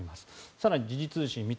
更に、時事通信